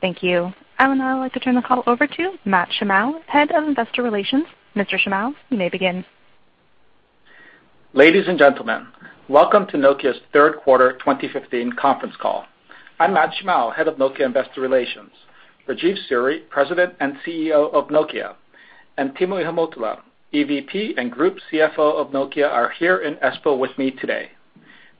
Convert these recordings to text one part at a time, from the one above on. Thank you. I would now like to turn the call over to Matt Shimao, Head of Investor Relations. Mr. Shimao, you may begin. Ladies and gentlemen, welcome to Nokia's third quarter 2015 conference call. I'm Matt Shimao, Head of Nokia Investor Relations. Rajeev Suri, President and CEO of Nokia, and Timo Ihamuotila, EVP and Group CFO of Nokia, are here in Espoo with me today.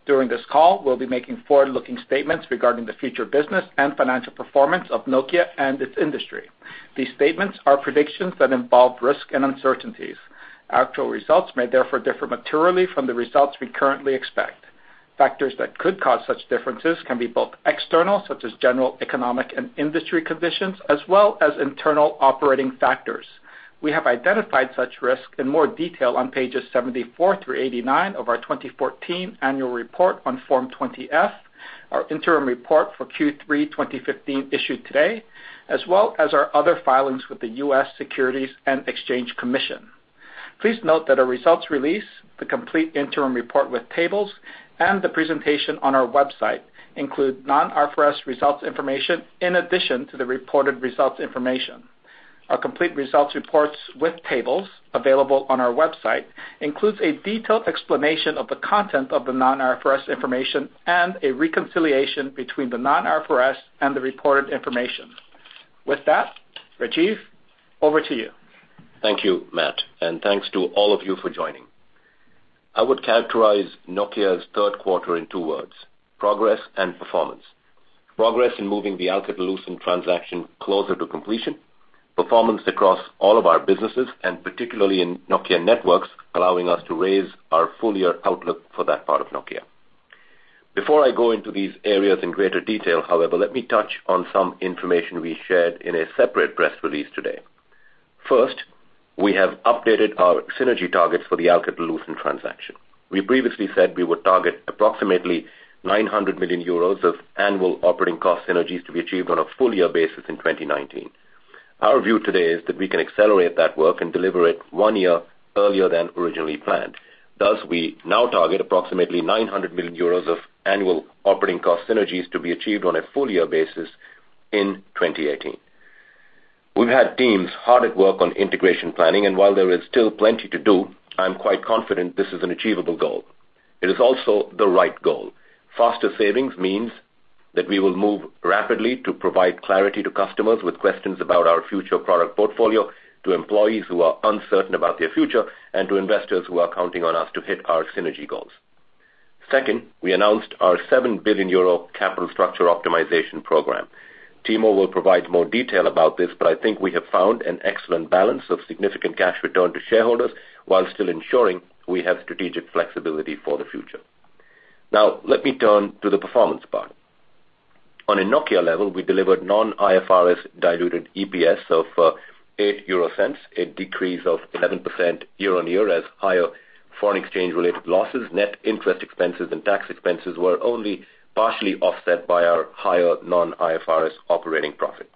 During this call, we'll be making forward-looking statements regarding the future business and financial performance of Nokia and its industry. These statements are predictions that involve risk and uncertainties. Actual results may therefore differ materially from the results we currently expect. Factors that could cause such differences can be both external, such as general economic and industry conditions, as well as internal operating factors. We have identified such risks in more detail on pages 74 through 89 of our 2014 annual report on Form 20-F, our interim report for Q3 2015 issued today, as well as our other filings with the U.S. Securities and Exchange Commission. Please note that our results release, the complete interim report with tables, and the presentation on our website include non-IFRS results information in addition to the reported results information. Our complete results reports with tables, available on our website, includes a detailed explanation of the content of the non-IFRS information and a reconciliation between the non-IFRS and the reported information. With that, Rajeev, over to you. Thank you, Matt, and thanks to all of you for joining. I would characterize Nokia's third quarter in two words, progress and performance. Progress in moving the Alcatel-Lucent transaction closer to completion, performance across all of our businesses, and particularly in Nokia Networks, allowing us to raise our full-year outlook for that part of Nokia. Before I go into these areas in greater detail, however, let me touch on some information we shared in a separate press release today. First, we have updated our synergy targets for the Alcatel-Lucent transaction. We previously said we would target approximately 900 million euros of annual operating cost synergies to be achieved on a full-year basis in 2019. Our view today is that we can accelerate that work and deliver it one year earlier than originally planned. Thus, we now target approximately 900 million euros of annual operating cost synergies to be achieved on a full-year basis in 2018. We've had teams hard at work on integration planning, and while there is still plenty to do, I'm quite confident this is an achievable goal. It is also the right goal. Faster savings means that we will move rapidly to provide clarity to customers with questions about our future product portfolio, to employees who are uncertain about their future, and to investors who are counting on us to hit our synergy goals. Second, we announced our 7 billion euro capital structure optimization program. Timo will provide more detail about this, but I think we have found an excellent balance of significant cash return to shareholders while still ensuring we have strategic flexibility for the future. Now, let me turn to the performance part. On a Nokia level, we delivered non-IFRS diluted EPS of 0.08, a decrease of 11% year-on-year as higher foreign exchange-related losses, net interest expenses, and tax expenses were only partially offset by our higher non-IFRS operating profit.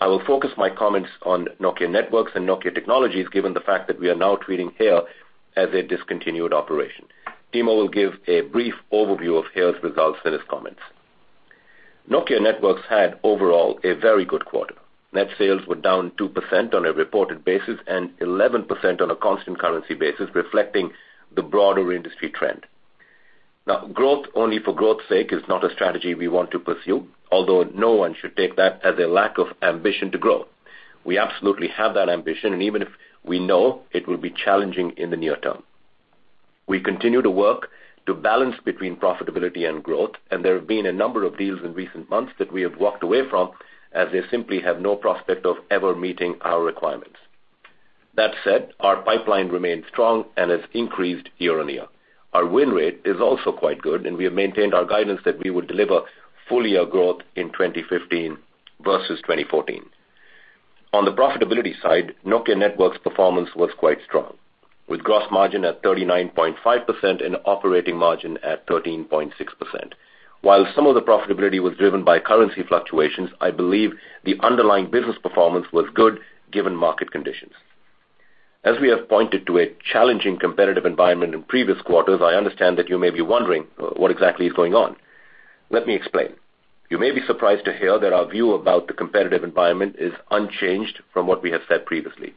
I will focus my comments on Nokia Networks and Nokia Technologies, given the fact that we are now treating HERE as a discontinued operation. Timo will give a brief overview of HERE's results in his comments. Nokia Networks had, overall, a very good quarter. Net sales were down 2% on a reported basis and 11% on a constant currency basis, reflecting the broader industry trend. Growth only for growth's sake is not a strategy we want to pursue, although no one should take that as a lack of ambition to grow. We absolutely have that ambition, and even if we know it will be challenging in the near term. We continue to work to balance between profitability and growth, and there have been a number of deals in recent months that we have walked away from as they simply have no prospect of ever meeting our requirements. That said, our pipeline remains strong and has increased year-on-year. Our win rate is also quite good, and we have maintained our guidance that we will deliver full-year growth in 2015 versus 2014. On the profitability side, Nokia Networks' performance was quite strong, with gross margin at 39.5% and operating margin at 13.6%. While some of the profitability was driven by currency fluctuations, I believe the underlying business performance was good given market conditions. As we have pointed to a challenging competitive environment in previous quarters, I understand that you may be wondering what exactly is going on. Let me explain. You may be surprised to hear that our view about the competitive environment is unchanged from what we have said previously.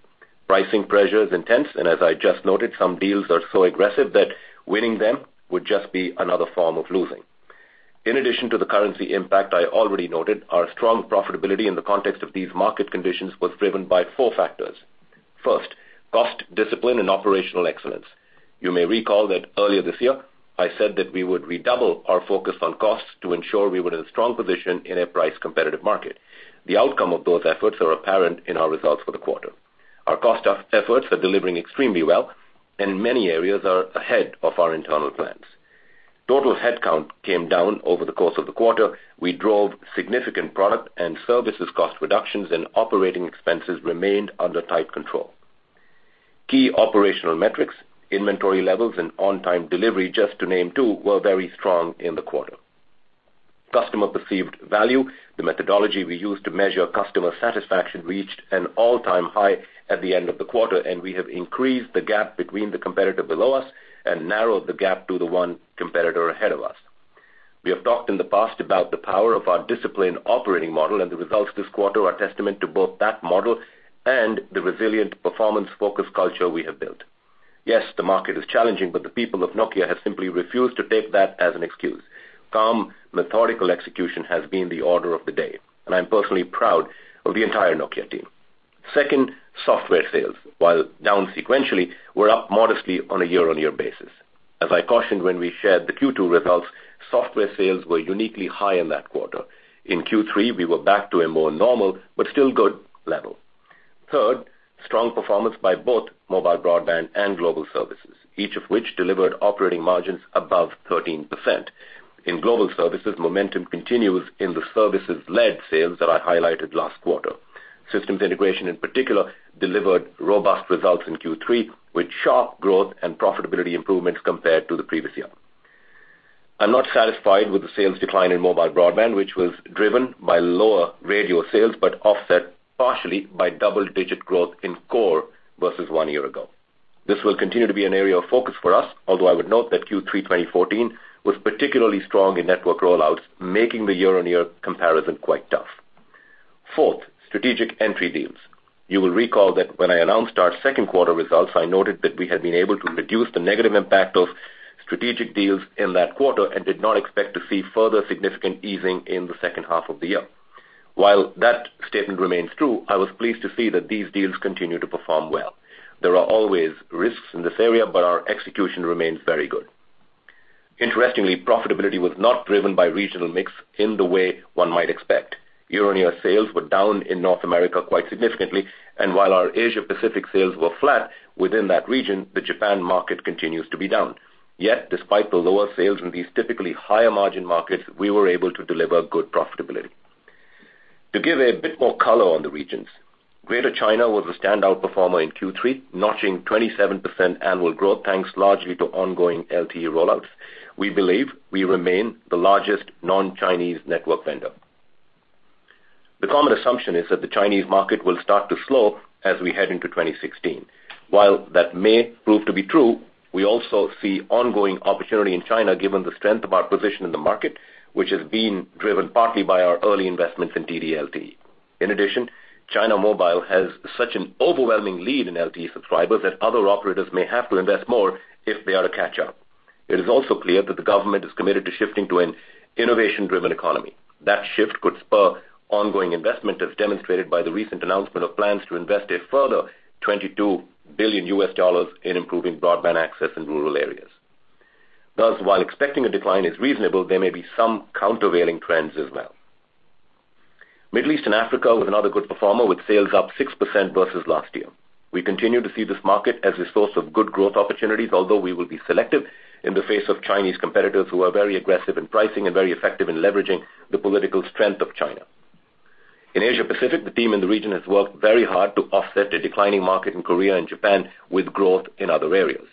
Pricing pressure is intense, and as I just noted, some deals are so aggressive that winning them would just be another form of losing. In addition to the currency impact I already noted, our strong profitability in the context of these market conditions was driven by four factors. First, cost discipline and operational excellence. You may recall that earlier this year, I said that we would redouble our focus on costs to ensure we were in a strong position in a price-competitive market. The outcome of those efforts are apparent in our results for the quarter. Our cost efforts are delivering extremely well, and in many areas are ahead of our internal plans. Total headcount came down over the course of the quarter. We drove significant product and services cost reductions, and operating expenses remained under tight control. Key operational metrics, inventory levels and on-time delivery, just to name two, were very strong in the quarter. Customer perceived value, the methodology we use to measure customer satisfaction, reached an all-time high at the end of the quarter, and we have increased the gap between the competitor below us and narrowed the gap to the one competitor ahead of us. We have talked in the past about the power of our disciplined operating model, and the results this quarter are testament to both that model and the resilient performance focus culture we have built. Yes, the market is challenging. The people of Nokia have simply refused to take that as an excuse. Calm, methodical execution has been the order of the day. I'm personally proud of the entire Nokia team. Second, software sales, while down sequentially, were up modestly on a year-on-year basis. As I cautioned when we shared the Q2 results, software sales were uniquely high in that quarter. In Q3, we were back to a more normal but still good level. Third, strong performance by both mobile broadband and global services, each of which delivered operating margins above 13%. In global services, momentum continues in the services-led sales that I highlighted last quarter. Systems integration, in particular, delivered robust results in Q3, with sharp growth and profitability improvements compared to the previous year. I'm not satisfied with the sales decline in mobile broadband, which was driven by lower radio sales but offset partially by double-digit growth in core versus one year ago. This will continue to be an area of focus for us, although I would note that Q3 2014 was particularly strong in network rollouts, making the year-on-year comparison quite tough. Fourth, strategic entry deals. You will recall that when I announced our second quarter results, I noted that we had been able to reduce the negative impact of strategic deals in that quarter and did not expect to see further significant easing in the second half of the year. While that statement remains true, I was pleased to see that these deals continue to perform well. There are always risks in this area, but our execution remains very good. Interestingly, profitability was not driven by regional mix in the way one might expect. Year-on-year sales were down in North America quite significantly, and while our Asia Pacific sales were flat within that region, the Japan market continues to be down. Despite the lower sales in these typically higher margin markets, we were able to deliver good profitability. To give a bit more color on the regions, Greater China was a standout performer in Q3, notching 27% annual growth, thanks largely to ongoing LTE rollouts. We believe we remain the largest non-Chinese network vendor. The common assumption is that the Chinese market will start to slow as we head into 2016. While that may prove to be true, we also see ongoing opportunity in China given the strength of our position in the market, which has been driven partly by our early investments in TD-LTE. China Mobile has such an overwhelming lead in LTE subscribers that other operators may have to invest more if they are to catch up. It is also clear that the government is committed to shifting to an innovation-driven economy. That shift could spur ongoing investment, as demonstrated by the recent announcement of plans to invest a further EUR 22 billion in improving broadband access in rural areas. Thus, while expecting a decline is reasonable, there may be some countervailing trends as well. Middle East and Africa was another good performer, with sales up 6% versus last year. We continue to see this market as a source of good growth opportunities, although we will be selective in the face of Chinese competitors who are very aggressive in pricing and very effective in leveraging the political strength of China. Asia Pacific, the team in the region has worked very hard to offset a declining market in Korea and Japan with growth in other areas.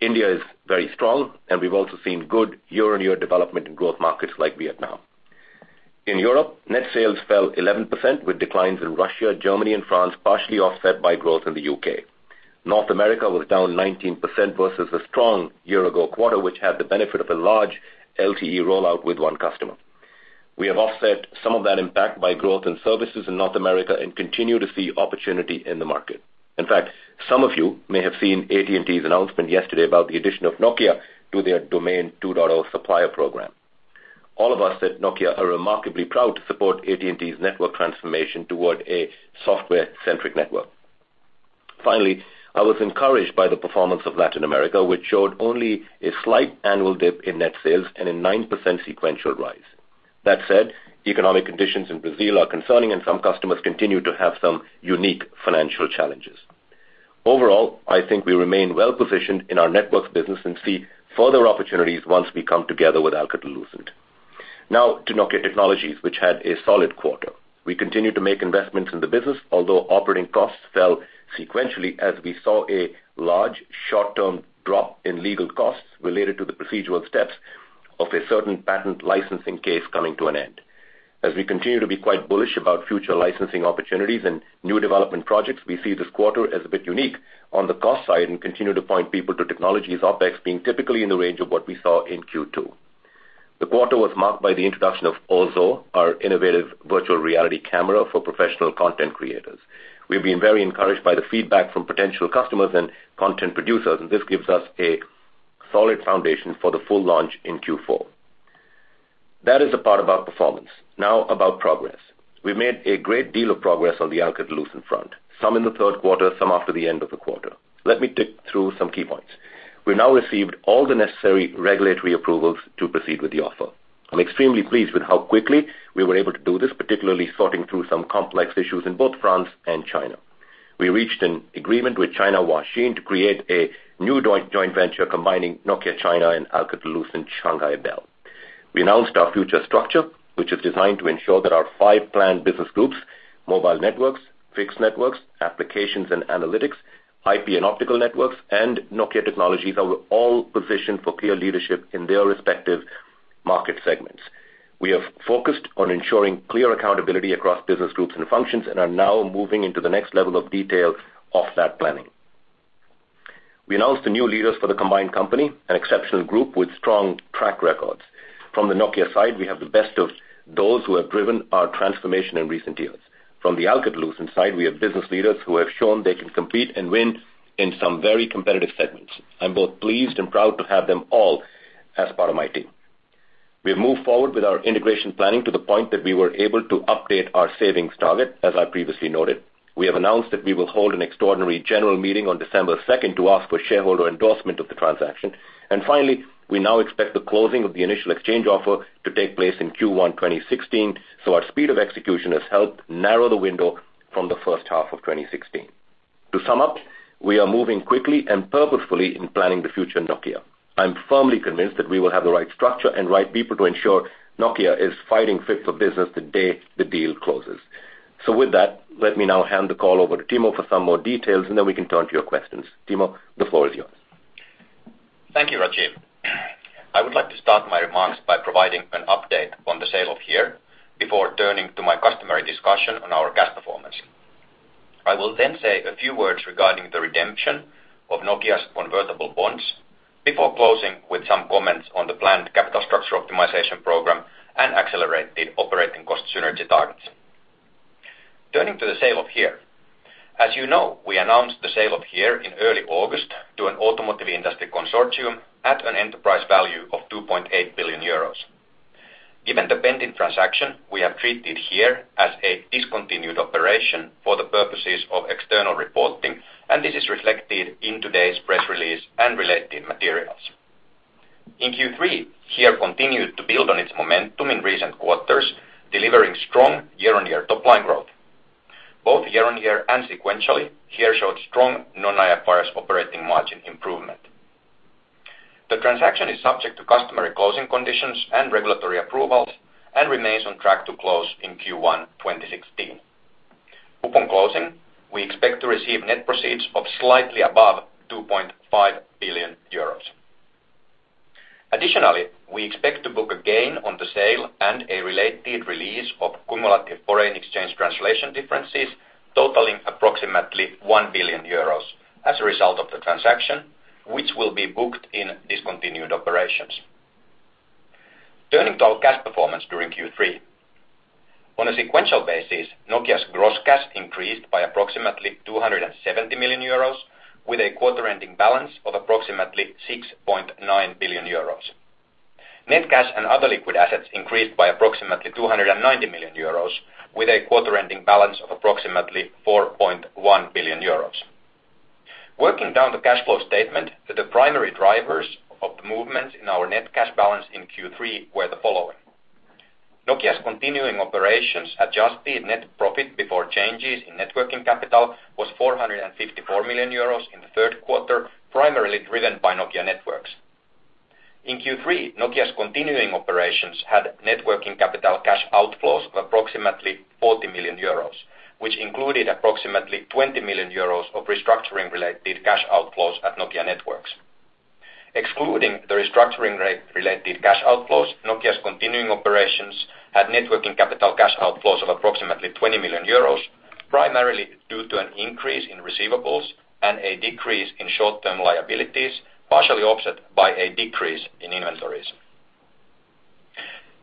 India is very strong, and we've also seen good year-on-year development in growth markets like Vietnam. Europe, net sales fell 11%, with declines in Russia, Germany, and France partially offset by growth in the U.K. North America was down 19% versus a strong year ago quarter, which had the benefit of a large LTE rollout with one customer. We have offset some of that impact by growth in services in North America and continue to see opportunity in the market. In fact, some of you may have seen AT&T's announcement yesterday about the addition of Nokia to their Domain 2.0 supplier program. All of us at Nokia are remarkably proud to support AT&T's network transformation toward a software-centric network. I was encouraged by the performance of Latin America, which showed only a slight annual dip in net sales and a 9% sequential rise. That said, economic conditions in Brazil are concerning, and some customers continue to have some unique financial challenges. Overall, I think we remain well positioned in our networks business and see further opportunities once we come together with Alcatel-Lucent. To Nokia Technologies, which had a solid quarter. We continue to make investments in the business, although operating costs fell sequentially as we saw a large short-term drop in legal costs related to the procedural steps of a certain patent licensing case coming to an end. We continue to be quite bullish about future licensing opportunities and new development projects, we see this quarter as a bit unique on the cost side and continue to point people to technologies OpEx being typically in the range of what we saw in Q2. The quarter was marked by the introduction of OZO, our innovative virtual reality camera for professional content creators. We've been very encouraged by the feedback from potential customers and content producers, and this gives us a solid foundation for the full launch in Q4. That is the part about performance. About progress. We made a great deal of progress on the Alcatel-Lucent front, some in the third quarter, some after the end of the quarter. Let me tick through some key points. We now received all the necessary regulatory approvals to proceed with the offer. I'm extremely pleased with how quickly we were able to do this, particularly sorting through some complex issues in both France and China. We reached an agreement with China Huaxin to create a new joint venture combining Nokia China and Alcatel-Lucent Shanghai Bell. We announced our future structure, which is designed to ensure that our 5 planned business groups, Mobile Networks, Fixed Networks, Applications & Analytics, IP/Optical Networks, and Nokia Technologies, are all positioned for clear leadership in their respective market segments. We have focused on ensuring clear accountability across business groups and functions and are now moving into the next level of detail of that planning. We announced the new leaders for the combined company, an exceptional group with strong track records. From the Nokia side, we have the best of those who have driven our transformation in recent years. From the Alcatel-Lucent side, we have business leaders who have shown they can compete and win in some very competitive segments. I'm both pleased and proud to have them all as part of my team. We have moved forward with our integration planning to the point that we were able to update our savings target, as I previously noted. We have announced that we will hold an extraordinary general meeting on December 2nd to ask for shareholder endorsement of the transaction. Finally, we now expect the closing of the initial exchange offer to take place in Q1 2016, our speed of execution has helped narrow the window from the first half of 2016. To sum up, we are moving quickly and purposefully in planning the future of Nokia. I'm firmly convinced that we will have the right structure and right people to ensure Nokia is fighting fit for business the day the deal closes. With that, let me now hand the call over to Timo for some more details, and then we can turn to your questions. Timo, the floor is yours. Thank you, Rajeev. I would like to start my remarks by providing an update on the sale of HERE before turning to my customary discussion on our cash performance. I will then say a few words regarding the redemption of Nokia's convertible bonds before closing with some comments on the planned capital structure optimization program and accelerated operating cost synergy targets. Turning to the sale of HERE. As you know, we announced the sale of HERE in early August to an automotive industry consortium at an enterprise value of 2.8 billion euros. Given the pending transaction, we have treated HERE as a discontinued operation for the purposes of external reporting, and this is reflected in today's press release and related materials. In Q3, HERE continued to build on its momentum in recent quarters, delivering strong year-over-year top line growth. Both year-over-year and sequentially, HERE showed strong non-IFRS operating margin improvement. The transaction is subject to customary closing conditions and regulatory approvals and remains on track to close in Q1 2016. Upon closing, we expect to receive net proceeds of slightly above 2.5 billion euros. Additionally, we expect to book a gain on the sale and a related release of cumulative foreign exchange translation differences totaling approximately 1 billion euros as a result of the transaction, which will be booked in discontinued operations. Turning to our cash performance during Q3. On a sequential basis, Nokia's gross cash increased by approximately 270 million euros, with a quarter-ending balance of approximately 6.9 billion euros. Net cash and other liquid assets increased by approximately 290 million euros, with a quarter-ending balance of approximately 4.1 billion euros. Working down the cash flow statement, the primary drivers of the movement in our net cash balance in Q3 were the following. Nokia's continuing operations adjusted net profit before changes in networking capital was 454 million euros in the third quarter, primarily driven by Nokia Networks. In Q3, Nokia's continuing operations had networking capital cash outflows of approximately 40 million euros, which included approximately 20 million euros of restructuring-related cash outflows at Nokia Networks. Excluding the restructuring-related cash outflows, Nokia's continuing operations had networking capital cash outflows of approximately 20 million euros, primarily due to an increase in receivables and a decrease in short-term liabilities, partially offset by a decrease in inventories.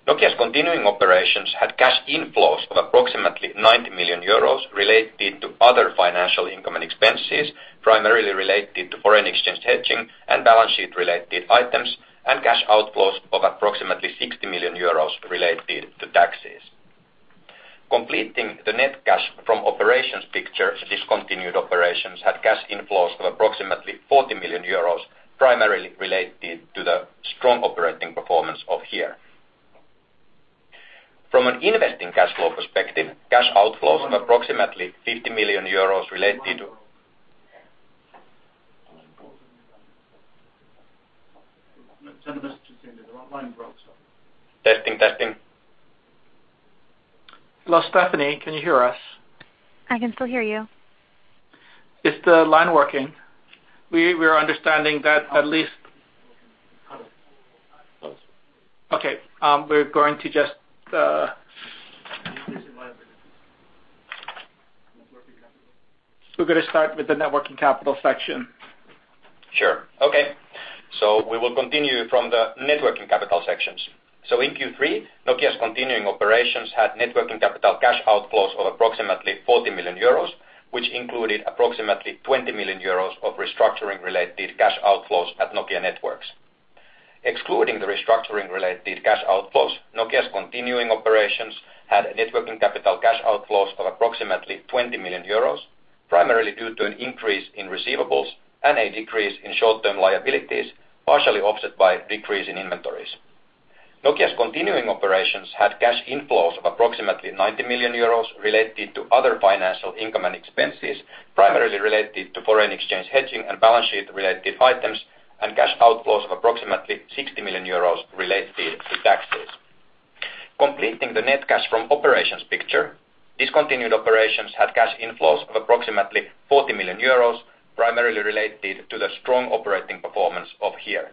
Nokia's continuing operations had cash inflows of approximately 90 million euros related to other financial income and expenses, primarily related to foreign exchange hedging and balance sheet-related items, and cash outflows of approximately 60 million euros related to taxes. Completing the net cash from operations picture, discontinued operations had cash inflows of approximately 40 million euros, primarily related to the strong operating performance of HERE. From an investing cash flow perspective, cash outflows of approximately 50 million euros related- Send a message to him that the line broke. Sorry. Testing. Hello, Stephanie, can you hear us? I can still hear you. Is the line working? We're understanding that at least. Hello. Okay. We're going to just. There's a line break. We're going to start with the networking capital section. Sure. Okay. We will continue from the networking capital section. In Q3, Nokia's continuing operations had networking capital cash outflows of approximately 40 million euros, which included approximately 20 million euros of restructuring-related cash outflows at Nokia Networks. Excluding the restructuring-related cash outflows, Nokia's continuing operations had networking capital cash outflows of approximately 20 million euros, primarily due to an increase in receivables and a decrease in short-term liabilities, partially offset by a decrease in inventories. Nokia's continuing operations had cash inflows of approximately 90 million euros related to other financial income and expenses, primarily related to foreign exchange hedging and balance sheet-related items, and cash outflows of approximately 60 million euros related to taxes. Completing the net cash from operations picture, discontinued operations had cash inflows of approximately 40 million euros, primarily related to the strong operating performance of HERE.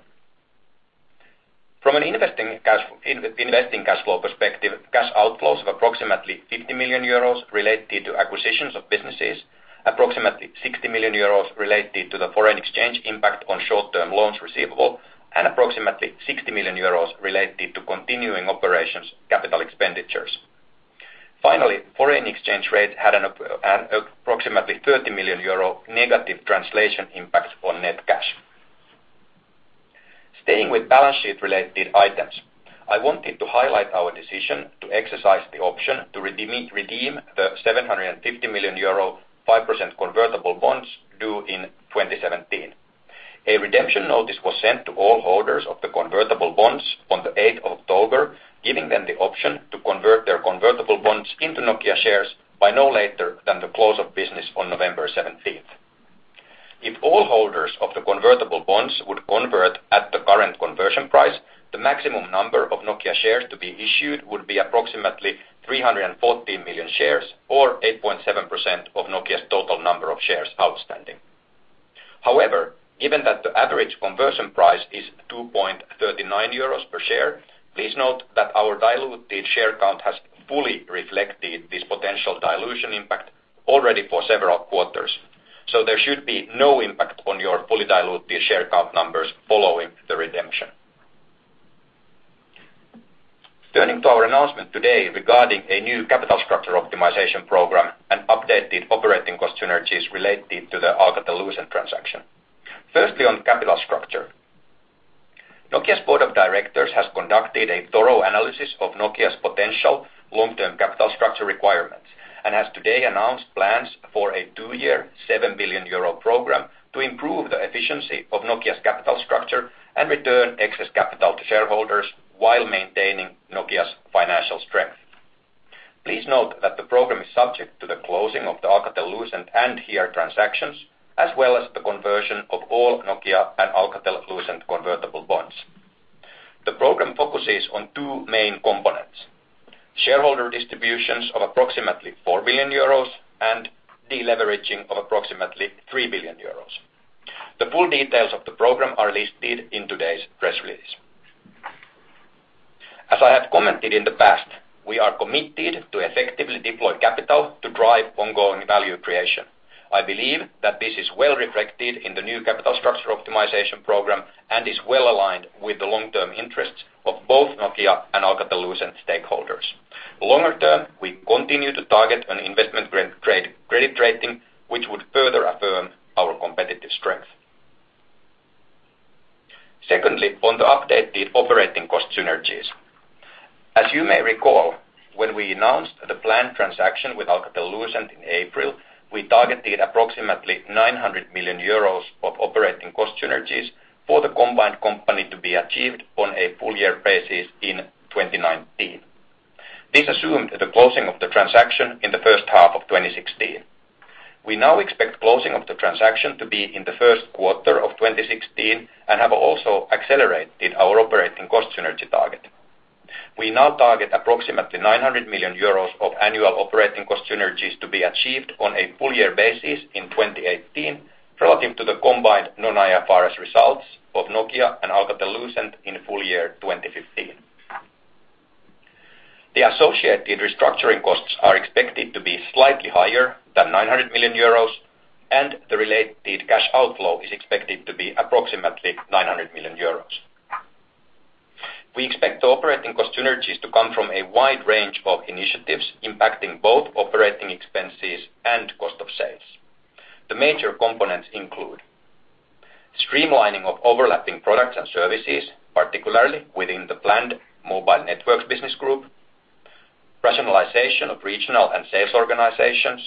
From an investing cash flow perspective, cash outflows of approximately 50 million euros related to acquisitions of businesses, approximately 60 million euros related to the foreign exchange impact on short-term loans receivable, and approximately 60 million euros related to continuing operations capital expenditures. Finally, foreign exchange rate had an approximately 30 million euro negative translation impact on net cash. Staying with balance sheet-related items, I wanted to highlight our decision to exercise the option to redeem the 750 million euro 5% convertible bonds due in 2017. A redemption notice was sent to all holders of the convertible bonds on the 8th of October, giving them the option to convert their convertible bonds into Nokia shares by no later than the close of business on November 17th. If all holders of the convertible bonds would convert at the current conversion price, the maximum number of Nokia shares to be issued would be approximately 314 million shares or 8.7% of Nokia's total number of shares outstanding. However, given that the average conversion price is 2.39 euros per share, please note that our diluted share count has fully reflected this potential dilution impact already for several quarters. There should be no impact on your fully diluted share count numbers following the redemption. Turning to our announcement today regarding a new capital structure optimization program and updated operating cost synergies related to the Alcatel-Lucent transaction. Firstly, on capital structure. Nokia's board of directors has conducted a thorough analysis of Nokia's potential long-term capital structure requirements and has today announced plans for a two-year, 7 billion euro program to improve the efficiency of Nokia's capital structure and return excess capital to shareholders while maintaining Nokia's financial strength. Please note that the program is subject to the closing of the Alcatel-Lucent and HERE transactions, as well as the conversion of all Nokia and Alcatel-Lucent convertible bonds. The program focuses on two main components, shareholder distributions of approximately 4 billion euros and de-leveraging of approximately 3 billion euros. The full details of the program are listed in today's press release. As I have commented in the past, we are committed to effectively deploy capital to drive ongoing value creation. I believe that this is well reflected in the new capital structure optimization program and is well aligned with the long-term interests of both Nokia and Alcatel-Lucent stakeholders. Longer term, we continue to target an investment credit rating, which would further affirm our competitive strength. Secondly, on the updated operating cost synergies. As you may recall, when we announced the planned transaction with Alcatel-Lucent in April, we targeted approximately 900 million euros of operating cost synergies for the combined company to be achieved on a full year basis in 2019. This assumed the closing of the transaction in the first half of 2016. We now expect closing of the transaction to be in the first quarter of 2016 and have also accelerated our operating cost synergy target. We now target approximately 900 million euros of annual operating cost synergies to be achieved on a full year basis in 2018 relative to the combined non-IFRS results of Nokia and Alcatel-Lucent in full year 2015. The associated restructuring costs are expected to be slightly higher than 900 million euros, and the related cash outflow is expected to be approximately 900 million euros. We expect the operating cost synergies to come from a wide range of initiatives impacting both operating expenses and cost of sales. The major components include streamlining of overlapping products and services, particularly within the planned Mobile Networks business group, rationalization of regional and sales organizations,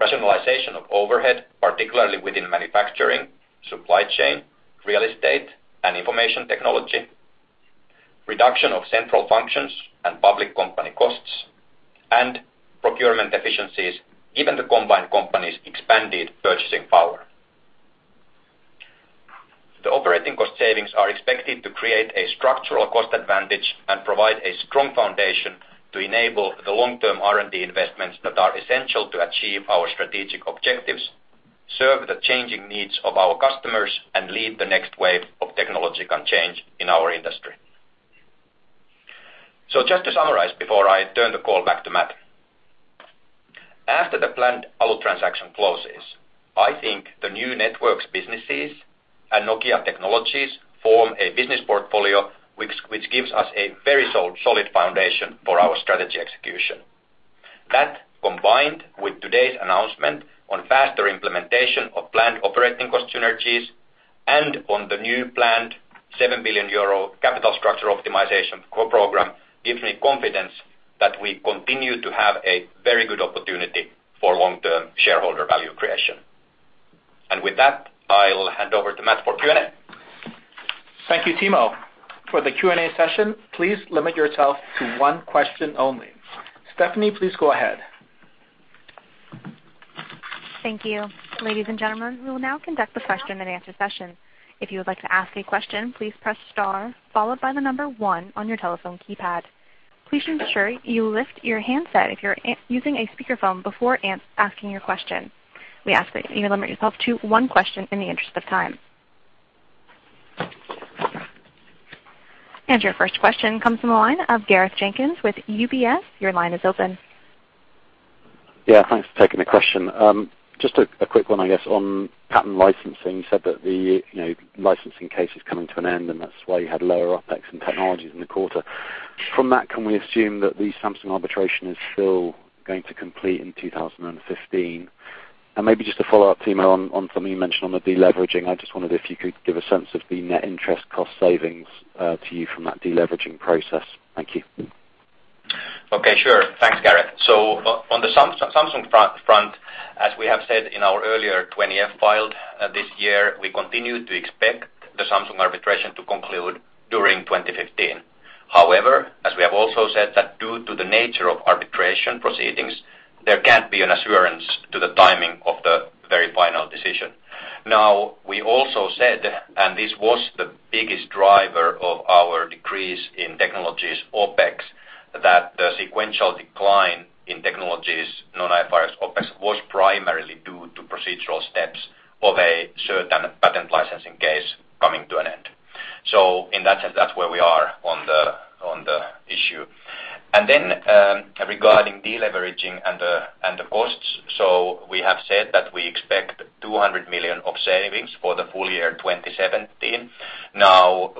rationalization of overhead, particularly within manufacturing, supply chain, real estate, and information technology, reduction of central functions and public company costs, and procurement efficiencies, given the combined company's expanded purchasing power. The operating cost savings are expected to create a structural cost advantage and provide a strong foundation to enable the long-term R&D investments that are essential to achieve our strategic objectives, serve the changing needs of our customers, and lead the next wave of technological change in our industry. Just to summarize before I turn the call back to Matt. After the planned Alcatel-Lucent transaction closes, I think the new networks businesses and Nokia Technologies form a business portfolio which gives us a very solid foundation for our strategy execution. That, combined with today's announcement on faster implementation of planned operating cost synergies and on the new planned 7 billion euro capital structure optimization program gives me confidence that we continue to have a very good opportunity for long-term shareholder value creation. With that, I'll hand over to Matt for Q&A. Thank you, Timo. For the Q&A session, please limit yourself to one question only. Stephanie, please go ahead. Thank you. Ladies and gentlemen, we will now conduct the question and answer session. If you would like to ask a question, please press star followed by the number one on your telephone keypad. Please ensure you lift your handset if you're using a speakerphone before asking your question. We ask that you limit yourself to one question in the interest of time. Your first question comes from the line of Gareth Jenkins with UBS. Your line is open. Thanks for taking the question. Just a quick one, I guess, on patent licensing. You said that the licensing case is coming to an end, and that's why you had lower OPEX and Nokia Technologies in the quarter. From that, can we assume that the Samsung arbitration is still going to complete in 2015? Maybe just a follow-up, Timo, on something you mentioned on the de-leveraging. I just wondered if you could give a sense of the net interest cost savings to you from that de-leveraging process. Thank you. Okay, sure. Thanks, Gareth. On the Samsung front, as we have said in our earlier 20-F file this year, we continue to expect the Samsung arbitration to conclude during 2015. However, as we have also said that due to the nature of arbitration proceedings, there can't be an assurance to the timing of the very final decision. We also said, and this was the biggest driver of our decrease in Technologies OPEX, that the sequential decline in Technologies non-IFRS OPEX was primarily due to procedural steps of a certain patent licensing case coming to an end. In that sense, that's where we are on the issue. Regarding de-leveraging and the costs. We have said that we expect 200 million of savings for the full year 2017.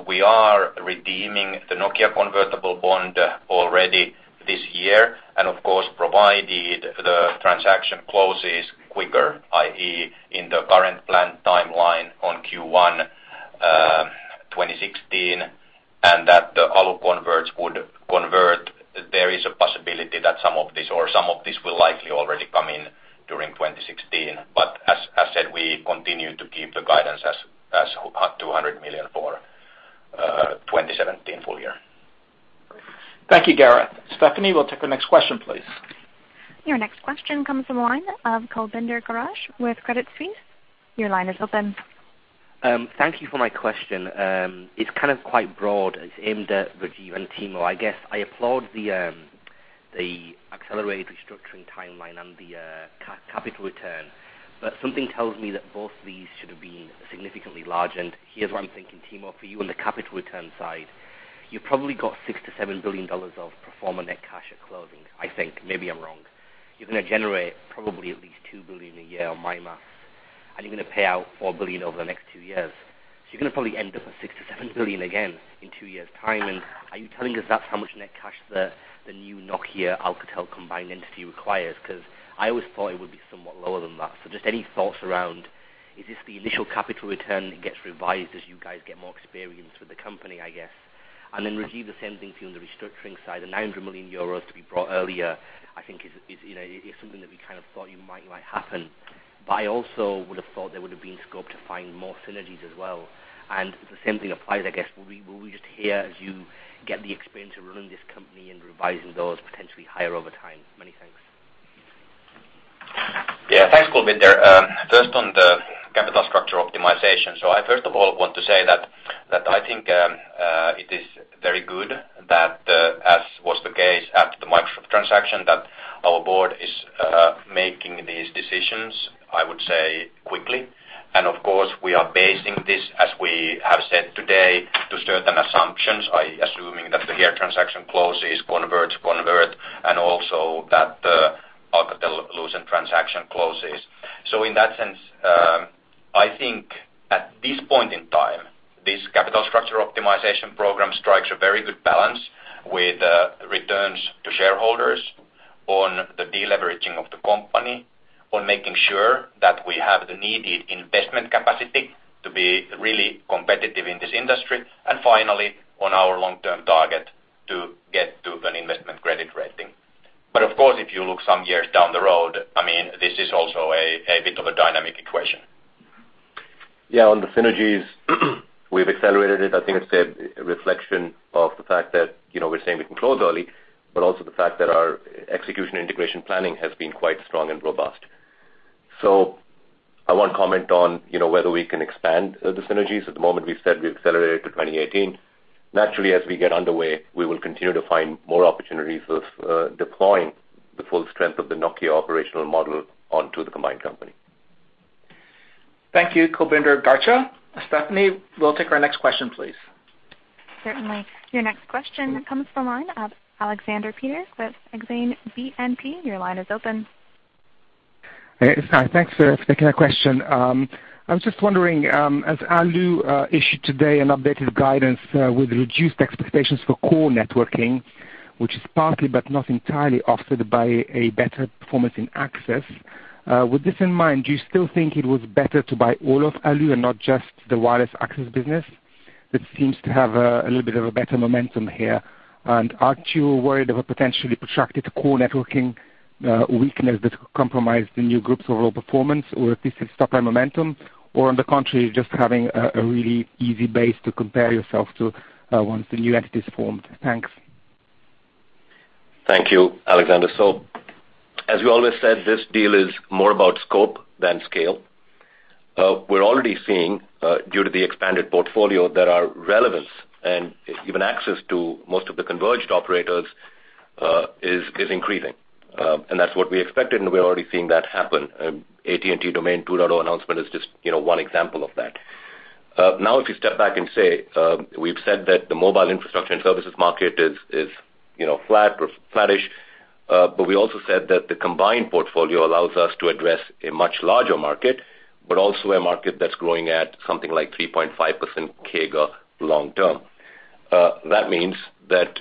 We are redeeming the Nokia convertible bond already this year and of course, provided the transaction closes quicker, i.e., in the current planned timeline on Q1 2016, and that the Alu converts would convert. There is a possibility that some of this, or some of this will likely already come in during 2016. As said, we continue to keep the guidance as 200 million for 2017 full year. Thank you, Gareth. Stephanie, we'll take the next question, please. Your next question comes from the line of Kulbinder Garcha with Credit Suisse. Your line is open. Thank you for my question. It's kind of quite broad. It's aimed at Rajeev and Timo. I guess I applaud the accelerated restructuring timeline and the capital return. Something tells me that both these should have been significantly large. Here's what I'm thinking, Timo, for you on the capital return side. You probably got EUR 6 billion-EUR 7 billion of pro forma net cash at closing, I think. Maybe I'm wrong. You're going to generate probably at least 2 billion a year on my maths, and you're going to pay out 4 billion over the next two years. You're going to probably end up at 6 billion-7 billion again in two years' time. Are you telling us that's how much net cash the new Nokia Alcatel combined entity requires? Because I always thought it would be somewhat lower than that. Just any thoughts around, is this the initial capital return that gets revised as you guys get more experience with the company, I guess? Then, Rajeev, the same thing for you on the restructuring side. The 900 million euros to be brought earlier, I think is something that we kind of thought might happen, but I also would have thought there would have been scope to find more synergies as well. The same thing applies, I guess. Will we just hear as you get the experience of running this company and revising those potentially higher over time? Many thanks. Yeah. Thanks, Kulbinder. First on the capital structure optimization. I first of all want to say that I think it is very good that as was the case after the Microsoft transaction, that our board is making these decisions, I would say quickly. Of course, we are basing this, as we have said today, to certain assumptions. I assuming that the HERE transaction closes, converts, and also that the Alcatel-Lucent transaction closes. In that sense, I think at this point in time, this capital structure optimization program strikes a very good balance with returns to shareholders on the de-leveraging of the company, on making sure that we have the needed investment capacity to be really competitive in this industry, and finally, on our long-term target to get to an investment credit rating. Of course, if you look some years down the road, this is also a bit of a dynamic equation. On the synergies we've accelerated it. I think it's a reflection of the fact that we're saying we can close early, but also the fact that our execution integration planning has been quite strong and robust. I won't comment on whether we can expand the synergies. At the moment, we've said we've accelerated to 2018. Naturally, as we get underway, we will continue to find more opportunities of deploying the full strength of the Nokia operational model onto the combined company. Thank you, Kulbinder Garcha. Stephanie, we'll take our next question, please. Certainly. Your next question comes from the line of Alexander Peterc with Exane BNP. Your line is open. Hi. Thanks for taking the question. I was just wondering, as Alu issued today an updated guidance with reduced expectations for core networking, which is partly but not entirely offset by a better performance in access. With this in mind, do you still think it was better to buy all of Alu and not just the wireless access business? That seems to have a little bit of a better momentum here. Aren't you worried of a potentially protracted core networking weakness that could compromise the new group's overall performance? If this is stock by momentum or on the contrary, just having a really easy base to compare yourself to once the new entity is formed. Thanks. Thank you, Alexander. As we always said, this deal is more about scope than scale. We're already seeing, due to the expanded portfolio, that our relevance and even access to most of the converged operators is increasing. That's what we expected, and we're already seeing that happen. AT&T Domain 2.0 announcement is just one example of that. If you step back and say, we've said that the mobile infrastructure and services market is flat or flattish, but we also said that the combined portfolio allows us to address a much larger market, but also a market that's growing at something like 3.5% CAGR long term. That means that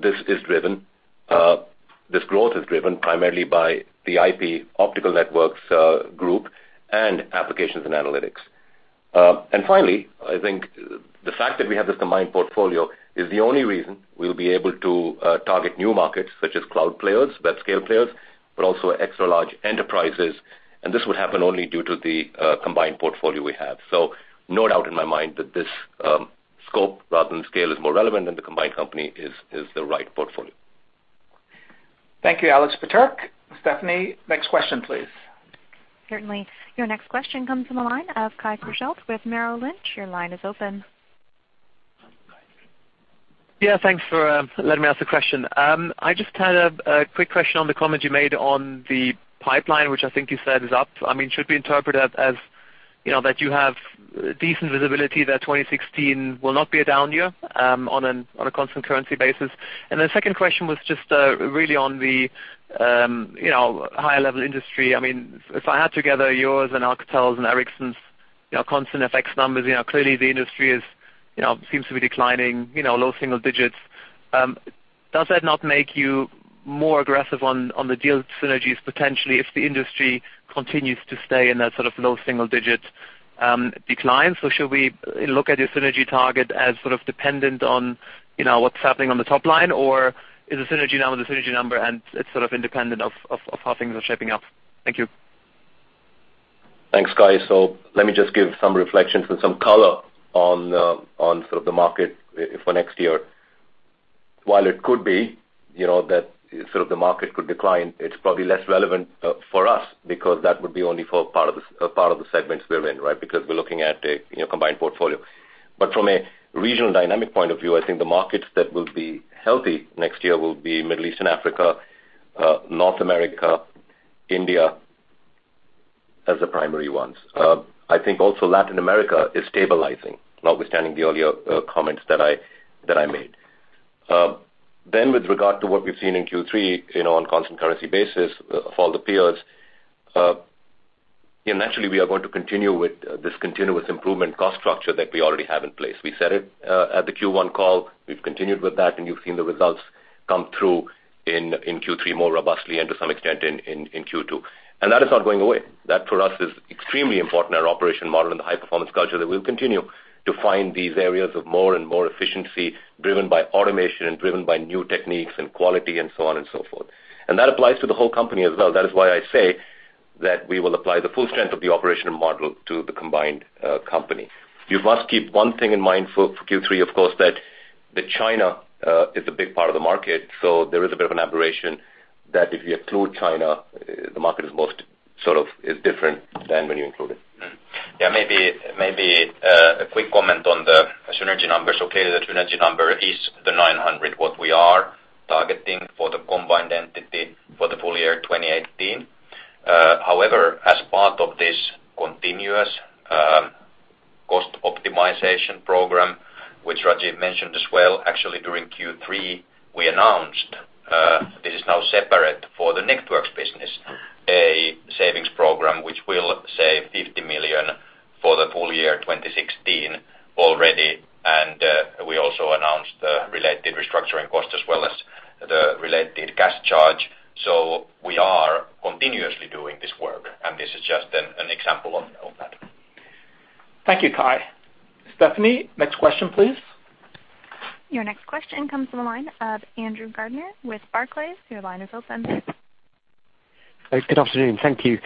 this growth is driven primarily by the IP/Optical Networks group and Applications & Analytics. Finally, I think the fact that we have this combined portfolio is the only reason we'll be able to target new markets such as cloud players, web-scale players, but also extra large enterprises, and this would happen only due to the combined portfolio we have. No doubt in my mind that this scope rather than scale is more relevant and the combined company is the right portfolio. Thank you, Alex Peterc. Stephanie, next question, please. Certainly. Your next question comes from the line of Kai Korschelt with Merrill Lynch. Your line is open. Yeah, thanks for letting me ask the question. I just had a quick question on the comment you made on the pipeline, which I think you said is up. Should we interpret it as that you have decent visibility that 2016 will not be a down year on a constant currency basis? The second question was just really on the higher level industry. If I add together yours and Alcatel's and Ericsson's constant FX numbers, clearly the industry seems to be declining, low single digits. Does that not make you more aggressive on the deal synergies, potentially, if the industry continues to stay in that sort of low single digits decline? Should we look at your synergy target as sort of dependent on what's happening on the top line? Or is the synergy now the synergy number, and it's sort of independent of how things are shaping up? Thank you. Thanks, Kai. Let me just give some reflections and some color on the market for next year. While it could be that the market could decline, it's probably less relevant for us because that would be only for a part of the segments we're in, because we're looking at a combined portfolio. From a regional dynamic point of view, I think the markets that will be healthy next year will be Middle East and Africa, North America, India as the primary ones. I think also Latin America is stabilizing, notwithstanding the earlier comments that I made. With regard to what we've seen in Q3 on constant currency basis for all the periods, naturally we are going to continue with this continuous improvement cost structure that we already have in place. We said it at the Q1 call, we've continued with that, and you've seen the results come through in Q3 more robustly and to some extent in Q2. That is not going away. That for us is extremely important in our operation model and the high-performance culture, that we'll continue to find these areas of more and more efficiency driven by automation and driven by new techniques and quality and so on and so forth. That applies to the whole company as well. That is why I say that we will apply the full strength of the operational model to the combined company. You must keep one thing in mind for Q3, of course, that China is a big part of the market, there is a bit of an aberration that if you include China, the market is different than when you include it. Maybe a quick comment on the synergy numbers. The synergy number is the 900 million, what we are targeting for the combined entity for the full year 2018. However, as part of this continuous cost optimization program, which Rajeev mentioned as well, actually during Q3, we announced, this is now separate for the Nokia Networks business, a savings program which will save 50 million for the full year 2016 already, and we also announced the related restructuring cost as well as the related cash charge. We are continuously doing this work, and this is just an example of that. Thank you, Kai. Stephanie, next question, please. Your next question comes from the line of Andrew Gardiner with Barclays. Your line is open. Good afternoon. Thank you.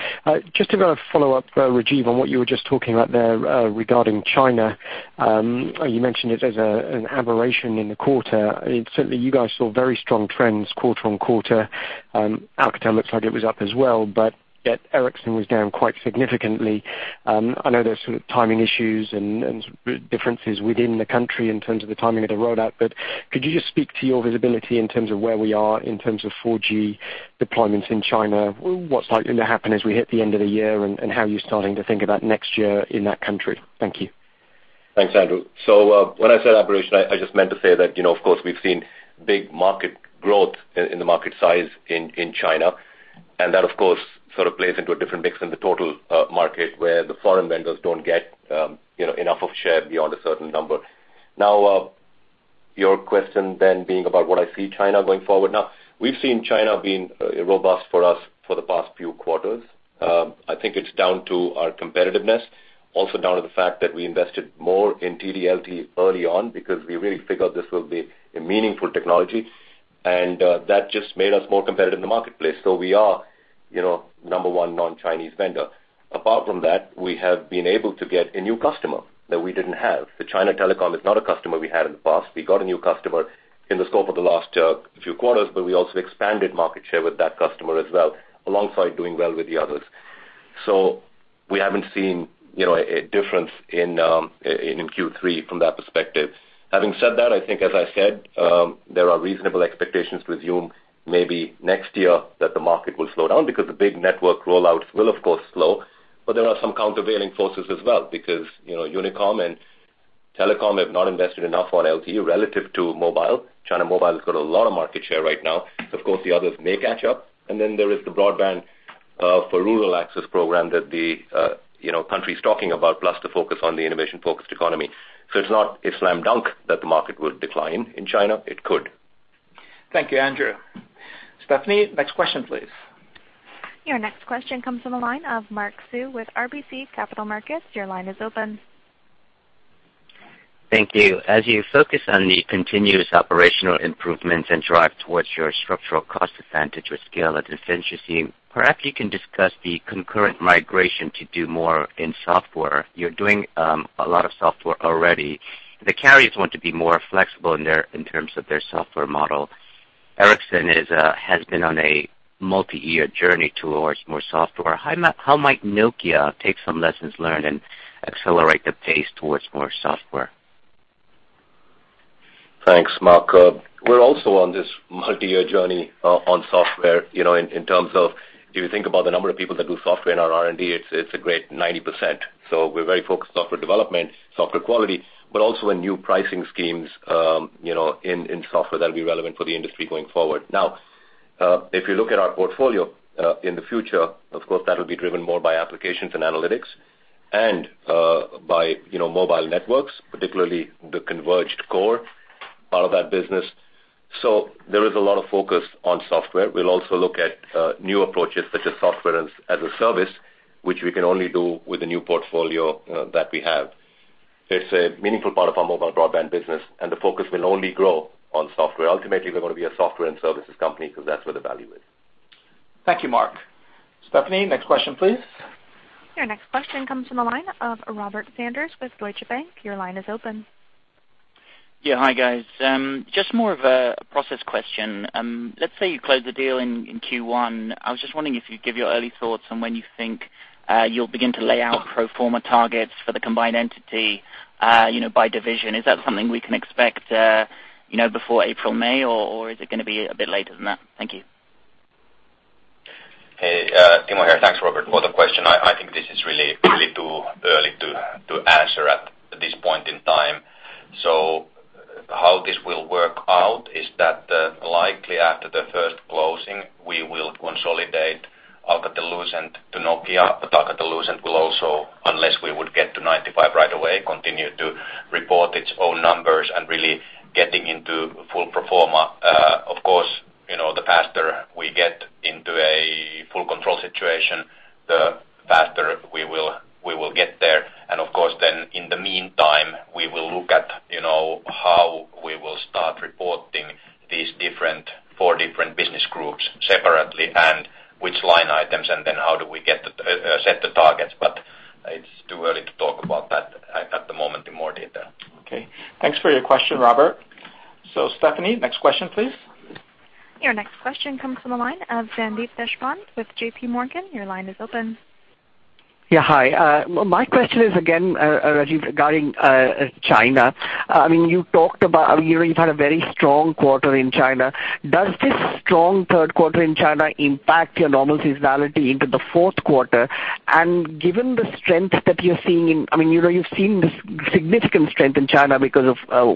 Just to follow up, Rajeev, on what you were just talking about there regarding China. You mentioned it as an aberration in the quarter. Certainly, you guys saw very strong trends quarter-on-quarter. Alcatel looks like it was up as well, yet Ericsson was down quite significantly. I know there's timing issues and differences within the country in terms of the timing of the rollout, but could you just speak to your visibility in terms of where we are in terms of 4G deployments in China? What's likely to happen as we hit the end of the year, and how are you starting to think about next year in that country? Thank you. Thanks, Andrew. When I said aberration, I just meant to say that, of course, we've seen big market growth in the market size in China, and that, of course, sort of plays into a different mix in the total market where the foreign vendors don't get enough of share beyond a certain number. Your question then being about what I see China going forward. We've seen China being robust for us for the past few quarters. I think it's down to our competitiveness, also down to the fact that we invested more in TD-LTE early on because we really figured this will be a meaningful technology, and that just made us more competitive in the marketplace. We are number one non-Chinese vendor. Apart from that, we have been able to get a new customer that we didn't have. China Telecom is not a customer we had in the past. We got a new customer in the scope of the last few quarters, but we also expanded market share with that customer as well, alongside doing well with the others. We haven't seen a difference in Q3 from that perspective. Having said that, I think, as I said, there are reasonable expectations to assume maybe next year that the market will slow down because the big network rollouts will, of course, slow. There are some countervailing forces as well, because Unicom and Telecom have not invested enough on LTE relative to Mobile. China Mobile has got a lot of market share right now. Of course, the others may catch up. There is the broadband for rural access program that the country's talking about, plus the focus on the innovation-focused economy. It's not a slam dunk that the market will decline in China. It could. Thank you, Andrew. Stephanie, next question, please. Your next question comes from the line of Mark Sue with RBC Capital Markets. Your line is open. Thank you. As you focus on the continuous operational improvements and drive towards your structural cost advantage with scale and efficiency, perhaps you can discuss the concurrent migration to do more in software. You're doing a lot of software already. The carriers want to be more flexible in terms of their software model. Ericsson has been on a multi-year journey towards more software. How might Nokia take some lessons learned and accelerate the pace towards more software? Thanks, Mark. We're also on this multi-year journey on software, in terms of if you think about the number of people that do software in our R&D, it's a great 90%. We're very focused software development, software quality, but also on new pricing schemes, in software that'll be relevant for the industry going forward. Now, if you look at our portfolio, in the future, of course, that'll be driven more by Applications & Analytics and by Mobile Networks, particularly the converged core part of that business. There is a lot of focus on software. We'll also look at new approaches such as software as a service, which we can only do with the new portfolio that we have. It's a meaningful part of our mobile broadband business, and the focus will only grow on software. Ultimately, we're going to be a software and services company because that's where the value is. Thank you, Mark. Stephanie, next question, please. Your next question comes from the line of Robert Sanders with Deutsche Bank. Your line is open. Yeah. Hi, guys. Just more of a process question. Let's say you close the deal in Q1. I was just wondering if you'd give your early thoughts on when you think you'll begin to lay out pro forma targets for the combined entity, by division. Is that something we can expect before April, May, or is it going to be a bit later than that? Thank you. Hey, Timo here. Thanks, Robert, for the question. I think this is really too early to answer at this point in time. How this will work out is that likely after the first closing, we will consolidate Alcatel-Lucent to Nokia. Alcatel-Lucent will also, unless we would get to 95 right away, continue to report its own numbers and really getting into full pro forma. Of course, the faster we get into a full control situation, the faster we will get there. Of course, then in the meantime, we will look at how we will start reporting these four different business groups separately and which line items, and then how do we set the targets. It's too early to talk about that at the moment in more detail. Okay. Thanks for your question, Robert. Stephanie, next question, please. Your next question comes from the line of Sandeep Deshpande with J.P. Morgan. Your line is open. Yeah. Hi. My question is again, Rajeev, regarding China. You've had a very strong quarter in China. Does this strong third quarter in China impact your normal seasonality into the fourth quarter? Given the strength that you're seeing, you've seen this significant strength in China because of the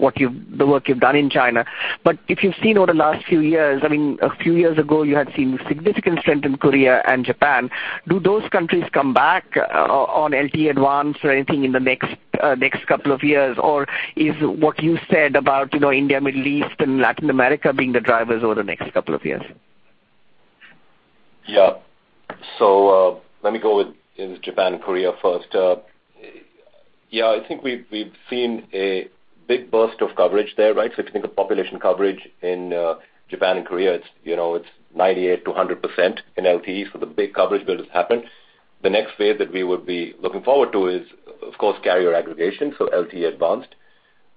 work you've done in China. If you've seen over the last few years, a few years ago, you had seen significant strength in Korea and Japan. Do those countries come back on LTE Advanced or anything in the next couple of years? Is what you said about India, Middle East, and Latin America being the drivers over the next couple of years? Yeah. Let me go with Japan and Korea first. Yeah, I think we've seen a big burst of coverage there, right? If you think of population coverage in Japan and Korea, it's 98%-100% in LTE, the big coverage build has happened. The next phase that we would be looking forward to is, of course, carrier aggregation, LTE Advanced,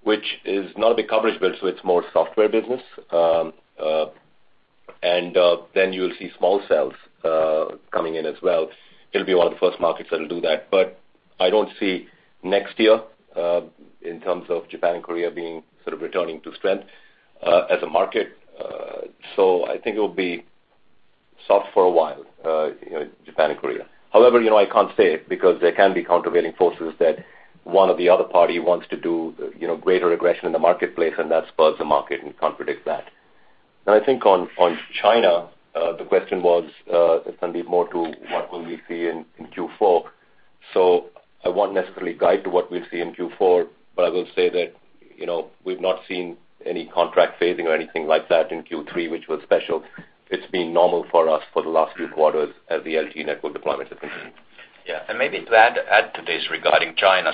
which is not a big coverage build, it's more software business. Then you'll see small cells coming in as well. It'll be one of the first markets that'll do that. I don't see next year in terms of Japan and Korea being sort of returning to strength as a market. I think it will be soft for a while, Japan and Korea. However, I can't say it because there can be countervailing forces that one or the other party wants to do greater aggression in the marketplace, and that spurs the market, and we can't predict that. Now I think on China, the question was, it's going to be more to what will we see in Q4. I won't necessarily guide to what we'll see in Q4, I will say that we've not seen any contract phasing or anything like that in Q3, which was special. It's been normal for us for the last few quarters as the LTE network deployment has continued. Yeah. Maybe to add to this regarding China,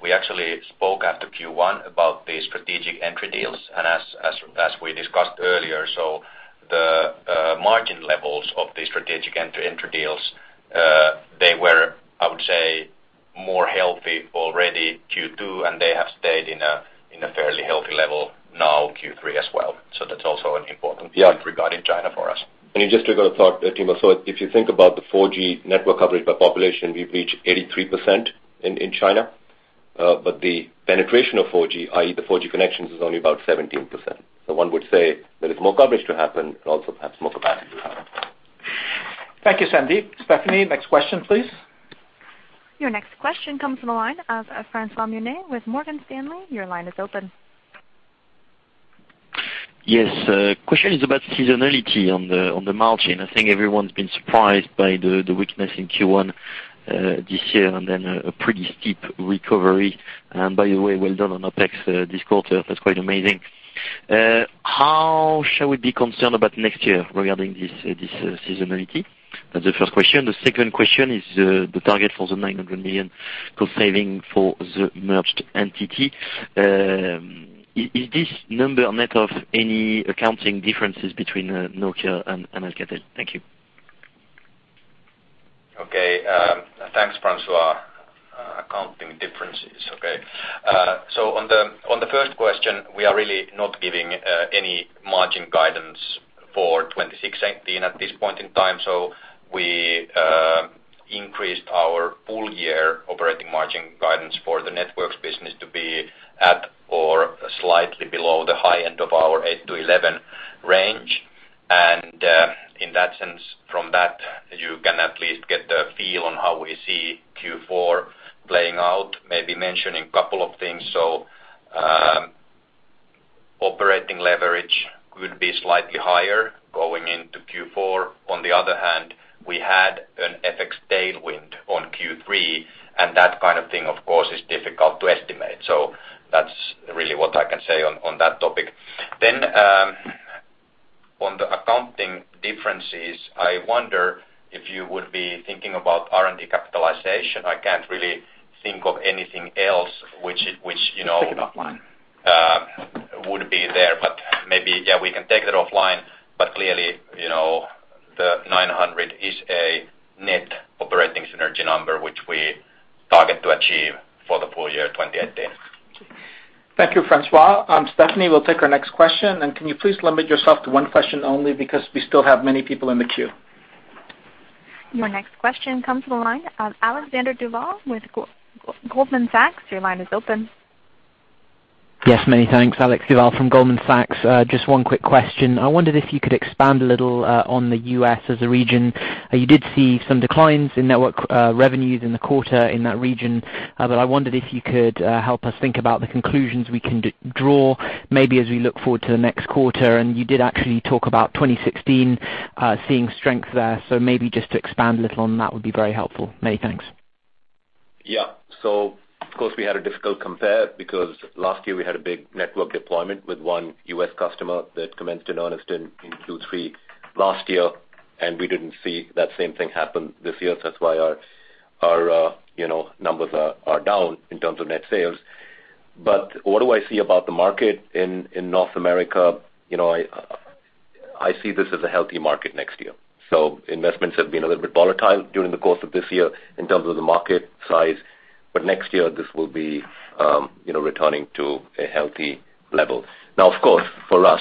we actually spoke after Q1 about the strategic entry deals. As we discussed earlier, the margin levels of the strategic entry deals, they were, I would say more healthy already Q2, and they have stayed in a fairly healthy level now Q3 as well. That's also an important point regarding China for us. Just trigger a thought, Timo. If you think about the 4G network coverage by population, we've reached 83% in China. The penetration of 4G, i.e. the 4G connections, is only about 17%. One would say there is more coverage to happen, but also perhaps more capacity to happen. Thank you, Sandeep. Stephanie, next question, please. Your next question comes from the line of François Meunier with Morgan Stanley. Your line is open. Yes. Question is about seasonality on the margin. I think everyone's been surprised by the weakness in Q1 this year and then a pretty steep recovery. By the way, well done on OPEX this quarter. That's quite amazing. How shall we be concerned about next year regarding this seasonality? That's the first question. The second question is the target for the 900 million cost saving for the merged entity. Is this number net of any accounting differences between Nokia and Alcatel? Thank you. Okay. Thanks, François. Accounting differences. Okay. On the first question, we are really not giving any margin guidance for 2016 at this point in time. We increased our full year operating margin guidance for the Networks business to be at or slightly below the high end of our 8% to 11% range. In that sense, from that, you can at least get a feel on how we see Q4 playing out, maybe mentioning a couple of things. Operating leverage would be slightly higher going into Q4. On the other hand, we had an FX tailwind on Q3, and that kind of thing, of course, is difficult to estimate. That's really what I can say on that topic. On the accounting differences, I wonder if you would be thinking about R&D capitalization. I can't really think of anything else which- Let's take it offline. would be there, but maybe, yeah, we can take that offline. Clearly, the 900 is a net operating synergy number which we target to achieve for the full year 2018. Thank you, François. Stephanie, we'll take our next question, and can you please limit yourself to one question only because we still have many people in the queue? Your next question comes from the line of Alexander Duval with Goldman Sachs. Your line is open. Yes, many thanks. Alex Duval from Goldman Sachs. Just one quick question. I wondered if you could expand a little on the U.S. as a region. You did see some declines in network revenues in the quarter in that region, but I wondered if you could help us think about the conclusions we can draw maybe as we look forward to the next quarter. You did actually talk about 2016, seeing strength there. Maybe just to expand a little on that would be very helpful. Many thanks. Of course, we had a difficult compare because last year we had a big network deployment with one U.S. customer that commenced in earnest in Q3 last year, and we didn't see that same thing happen this year. That's why our numbers are down in terms of net sales. What do I see about the market in North America? I see this as a healthy market next year. Investments have been a little bit volatile during the course of this year in terms of the market size. Next year, this will be returning to a healthy level. Now, of course, for us,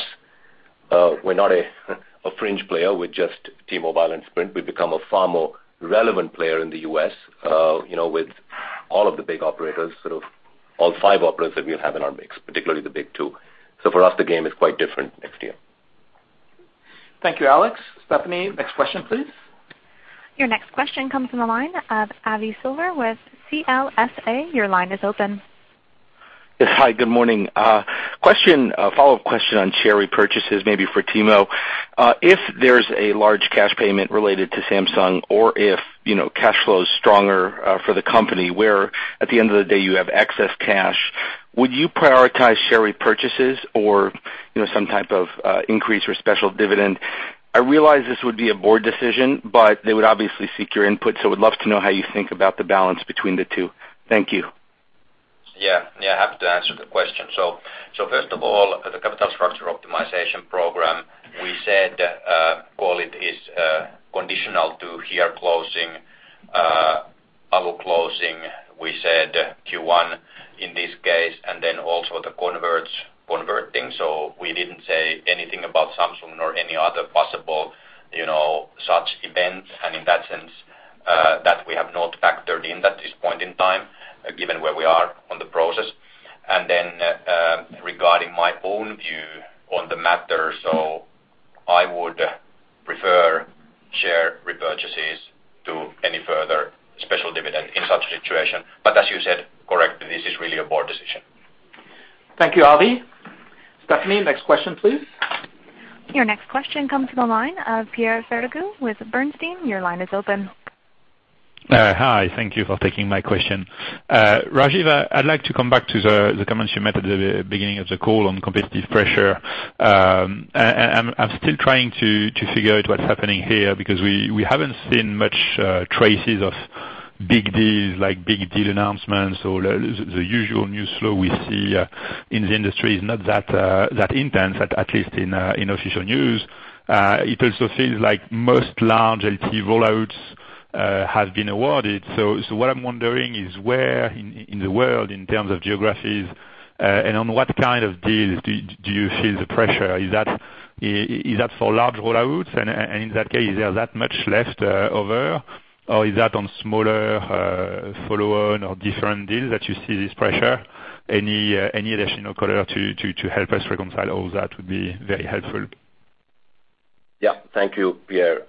we're not a fringe player with just T-Mobile and Sprint. We've become a far more relevant player in the U.S., with all of the big operators, sort of all five operators that we have in our mix, particularly the big two. For us, the game is quite different next year. Thank you, Alex. Stephanie, next question, please. Your next question comes from the line of Avi Silver with CLSA. Your line is open. Yes. Hi, good morning. Follow-up question on share repurchases, maybe for Timo. If there's a large cash payment related to Samsung or if cash flow is stronger for the company where at the end of the day you have excess cash, would you prioritize share repurchases or some type of increase or special dividend? I realize this would be a board decision, but they would obviously seek your input. Would love to know how you think about the balance between the two. Thank you. Yeah. I have to answer the question. First of all, the capital structure optimization program, we said, call it is conditional to HERE closing, Alcatel-Lucent closing, we said Q1 in this case, then also the converts converting. We didn't say anything about Samsung or any other possible such events. In that sense, that we have not factored in at this point in time, given where we are on the process. Then regarding my own view on the matter, I would prefer share repurchases to any further special dividend in such situation. As you said, correct, this is really a board decision. Thank you, Avi. Stephanie, next question, please. Your next question comes from the line of Pierre Ferragu with Bernstein. Your line is open. Hi. Thank you for taking my question. Rajeev, I'd like to come back to the comments you made at the beginning of the call on competitive pressure. I'm still trying to figure out what's happening here because we haven't seen much traces of big deals like big deal announcements or the usual news flow we see in the industry is not that intense, at least in official news. It also seems like most large LTE rollouts Has been awarded. What I'm wondering is where in the world, in terms of geographies, and on what kind of deals do you feel the pressure? Is that for large roll-outs? In that case, is there that much left over? Is that on smaller follow-on or different deals that you see this pressure? Any additional color to help us reconcile all that would be very helpful. Yeah. Thank you, Pierre.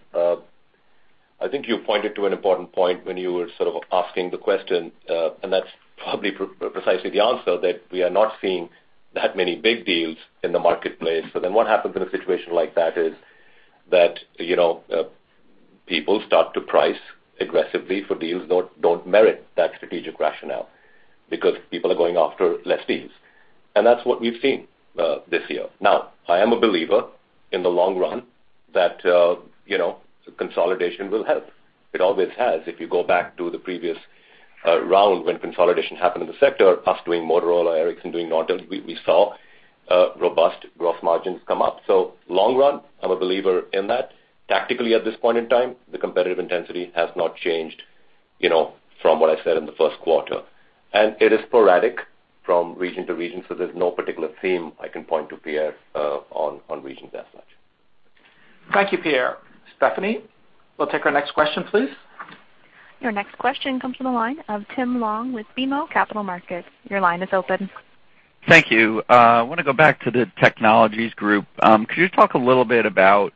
I think you pointed to an important point when you were sort of asking the question, and that's probably precisely the answer, that we are not seeing that many big deals in the marketplace. What happens in a situation like that is that, people start to price aggressively for deals don't merit that strategic rationale, because people are going after less deals. That's what we've seen, this year. Now, I am a believer in the long run that consolidation will help. It always has. If you go back to the previous round when consolidation happened in the sector, us doing Motorola, Ericsson doing Nortel, we saw robust growth margins come up. Long run, I'm a believer in that. Tactically, at this point in time, the competitive intensity has not changed from what I said in the first quarter. It is sporadic from region to region, so there's no particular theme I can point to, Pierre, on regions as such. Thank you, Pierre. Stephanie, we'll take our next question, please. Your next question comes from the line of Tim Long with BMO Capital Markets. Your line is open. Thank you. I want to go back to the Technologies group. Could you talk a little bit about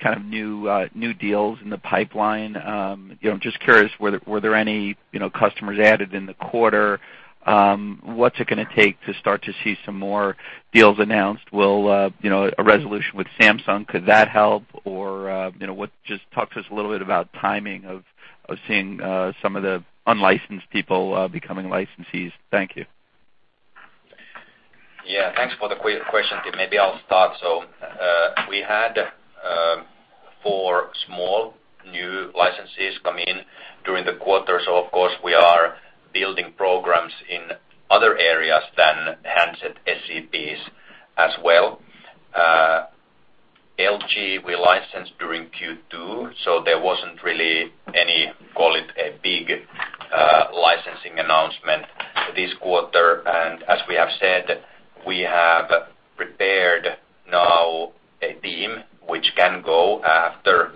kind of new deals in the pipeline? I'm just curious, were there any customers added in the quarter? What's it going to take to start to see some more deals announced? Will a resolution with Samsung, could that help? Or just talk to us a little bit about timing of seeing some of the unlicensed people becoming licensees. Thank you. Yeah. Thanks for the question, Tim. Maybe I'll start. We had four small new licensees come in during the quarter. Of course we are building programs in other areas than handset SEPs as well. LG we licensed during Q2, so there wasn't really any, call it, a big licensing announcement this quarter. As we have said, we have prepared now a team which can go after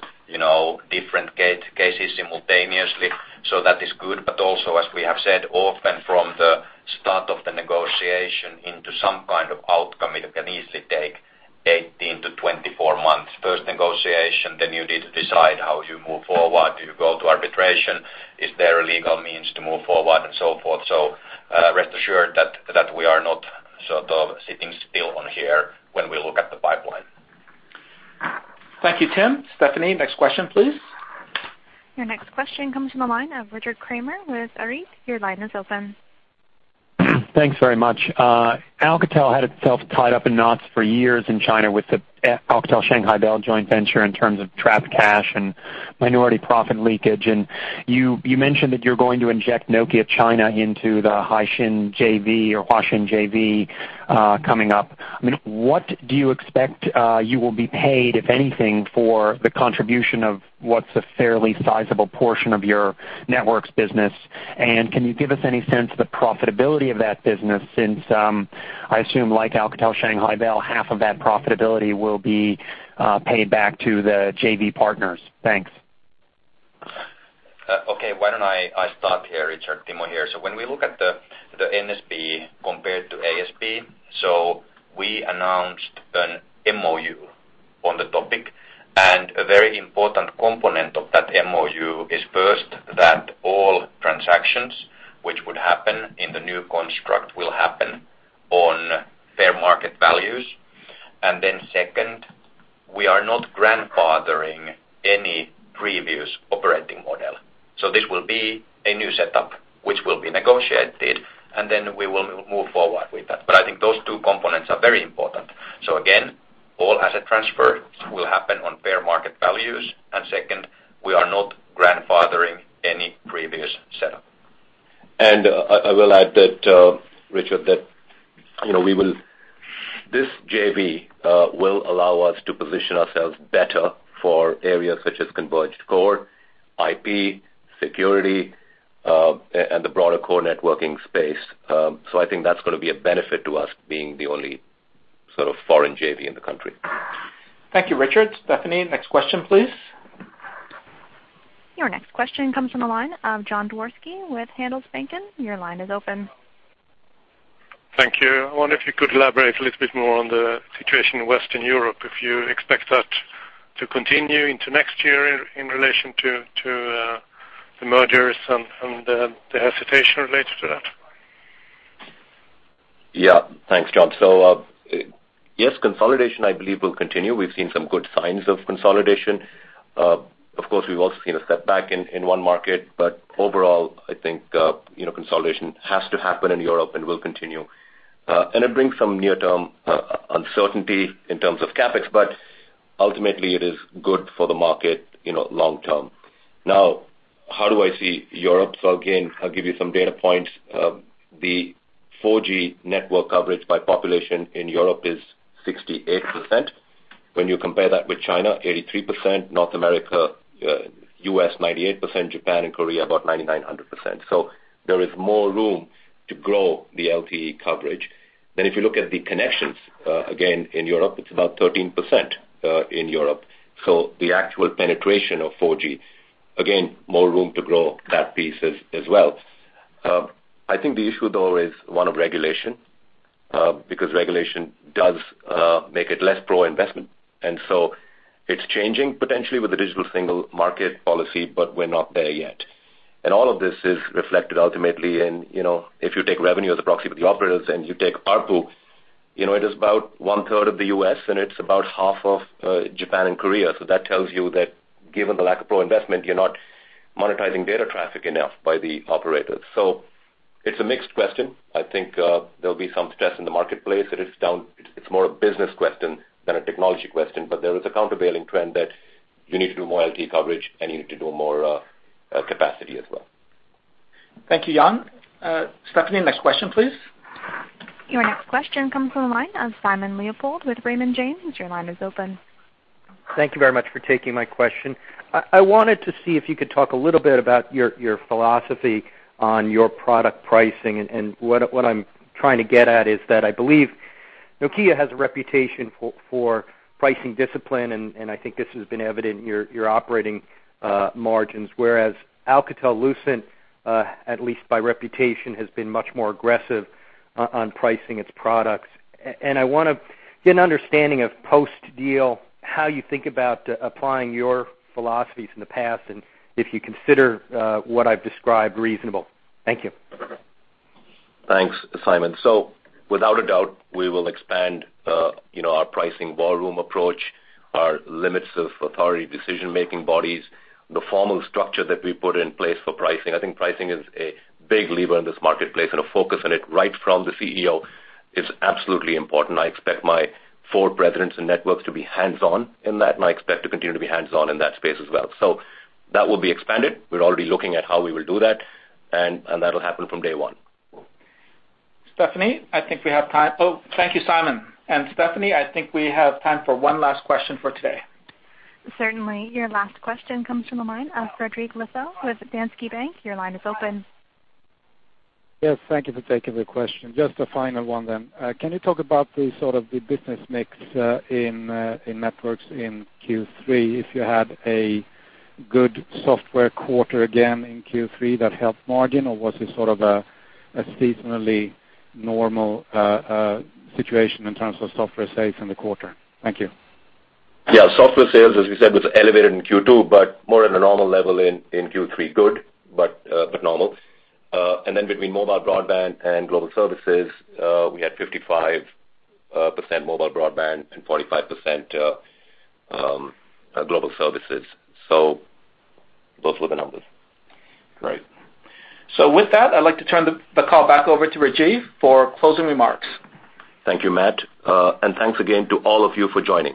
different cases simultaneously, so that is good. Also, as we have said, often from the start of the negotiation into some kind of outcome, it can easily take 18 to 24 months. First negotiation, then you need to decide how you move forward. Do you go to arbitration? Is there a legal means to move forward, and so forth. Rest assured that we are not sort of sitting still on HERE when we look at the pipeline. Thank you, Tim. Stephanie, next question, please. Your next question comes from the line of Richard Kramer with Arete. Your line is open. Thanks very much. Alcatel had itself tied up in knots for years in China with the Alcatel Shanghai Bell joint venture in terms of trapped cash and minority profit leakage. You mentioned that you're going to inject Nokia China into the Huaxin JV or Huaxin JV coming up. What do you expect you will be paid, if anything, for the contribution of what's a fairly sizable portion of your networks business? Can you give us any sense of the profitability of that business since, I assume like Alcatel Shanghai Bell, half of that profitability will be paid back to the JV partners? Thanks. Okay. Why don't I start here, Richard? Timo here. When we look at the NSB compared to ASB, we announced an MoU on the topic. A very important component of that MoU is first, that all transactions which would happen in the new construct will happen on fair market values. Second, we are not grandfathering any previous operating model. This will be a new setup which will be negotiated, and we will move forward with that. I think those two components are very important. Again, all asset transfer will happen on fair market values. Second, we are not grandfathering any previous setup. I will add that, Richard, this JV will allow us to position ourselves better for areas such as converged core, IP, security, and the broader core networking space. I think that's going to be a benefit to us being the only sort of foreign JV in the country. Thank you, Richard. Stephanie, next question, please. Your next question comes from the line of John Dworsky with Handelsbanken. Your line is open. Thank you. I wonder if you could elaborate a little bit more on the situation in Western Europe, if you expect that to continue into next year in relation to the mergers and the hesitation related to that. Yeah. Thanks, John. Yes, consolidation, I believe, will continue. We've seen some good signs of consolidation. Of course, we've also seen a step back in one market. Overall, I think consolidation has to happen in Europe and will continue. It brings some near-term uncertainty in terms of CapEx, but ultimately it is good for the market long term. How do I see Europe? Again, I'll give you some data points. The 4G network coverage by population in Europe is 68%. When you compare that with China, 83%, North America, U.S., 98%, Japan and Korea, about 99%, 100%. There is more room to grow the LTE coverage. If you look at the connections, again, in Europe, it's about 13% in Europe. The actual penetration of 4G, again, more room to grow that piece as well. I think the issue, though, is one of regulation, because regulation does make it less pro-investment, it's changing potentially with the Digital Single Market policy, we're not there yet. All of this is reflected ultimately in if you take revenue as a proxy with the operators and you take ARPU, it is about one third of the U.S. and it's about half of Japan and Korea. That tells you that given the lack of pro-investment, you're not monetizing data traffic enough by the operators. It's a mixed question. I think there'll be some stress in the marketplace. It's more a business question than a technology question, there is a countervailing trend that you need to do more LTE coverage and you need to do more capacity as well. Thank you, John. Stephanie, next question, please. Your next question comes from the line of Simon Leopold with Raymond James. Your line is open. Thank you very much for taking my question. I wanted to see if you could talk a little bit about your philosophy on your product pricing. What I am trying to get at is that I believe Nokia has a reputation for pricing discipline. I think this has been evident in your operating margins, whereas Alcatel-Lucent, at least by reputation, has been much more aggressive on pricing its products. I want to get an understanding of post-deal, how you think about applying your philosophies in the past and if you consider what I have described reasonable. Thank you. Thanks, Simon. Without a doubt, we will expand our pricing ballroom approach, our limits of authority decision-making bodies, the formal structure that we put in place for pricing. I think pricing is a big lever in this marketplace. A focus on it right from the CEO is absolutely important. I expect my four presidents in networks to be hands-on in that. I expect to continue to be hands-on in that space as well. That will be expanded. We are already looking at how we will do that. That will happen from day one. Stephanie, I think we have time. Oh, thank you, Simon. Stephanie, I think we have time for one last question for today. Certainly. Your last question comes from the line of Fredrik Lissell with Danske Bank. Your line is open. Yes, thank you for taking the question. Just a final one. Can you talk about the business mix in networks in Q3? If you had a good software quarter again in Q3 that helped margin, or was it sort of a seasonally normal situation in terms of software sales in the quarter? Thank you. Software sales, as we said, was elevated in Q2, but more at a normal level in Q3. Good, but normal. Between mobile broadband and global services, we had 55% mobile broadband and 45% global services. Those were the numbers. Great. With that, I'd like to turn the call back over to Rajeev for closing remarks. Thank you, Matt. Thanks again to all of you for joining.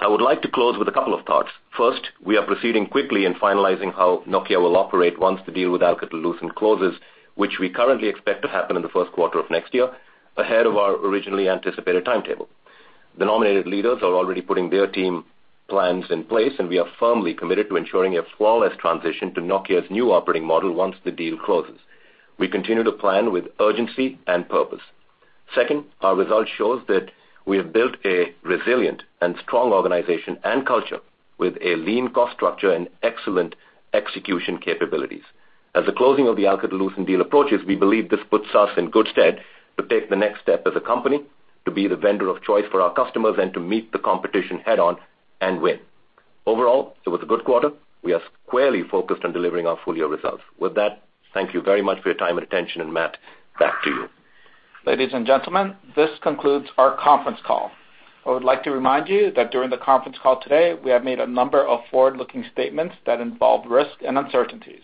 I would like to close with a couple of thoughts. First, we are proceeding quickly in finalizing how Nokia will operate once the deal with Alcatel-Lucent closes, which we currently expect to happen in the first quarter of next year, ahead of our originally anticipated timetable. The nominated leaders are already putting their team plans in place. We are firmly committed to ensuring a flawless transition to Nokia's new operating model once the deal closes. We continue to plan with urgency and purpose. Second, our result shows that we have built a resilient and strong organization and culture with a lean cost structure and excellent execution capabilities. As the closing of the Alcatel-Lucent deal approaches, we believe this puts us in good stead to take the next step as a company to be the vendor of choice for our customers. To meet the competition head on and win. Overall, it was a good quarter. We are squarely focused on delivering our full-year results. With that, thank you very much for your time and attention. Matt, back to you. Ladies and gentlemen, this concludes our conference call. I would like to remind you that during the conference call today, we have made a number of forward-looking statements that involve risks and uncertainties.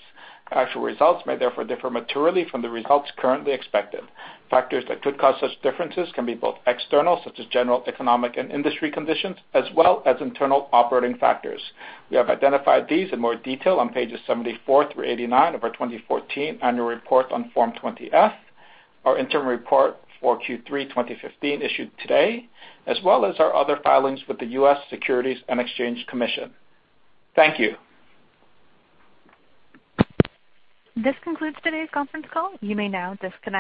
Actual results may therefore differ materially from the results currently expected. Factors that could cause such differences can be both external, such as general economic and industry conditions, as well as internal operating factors. We have identified these in more detail on pages 74 through 89 of our 2014 annual report on Form 20-F, our interim report for Q3 2015 issued today, as well as our other filings with the U.S. Securities and Exchange Commission. Thank you. This concludes today's conference call. You may now disconnect.